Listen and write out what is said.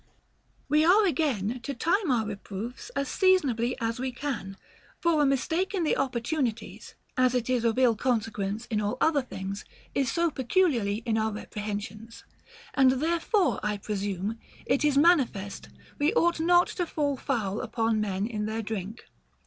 We are again to time our reproofs as seasonably as we can ; for a mistake in the opportunities, as it is of ill con sequence in all other things, is so peculiarly in our repre hensions. And therefore, I presume, it is manifest, we ought not to fall foul upon men in their drink.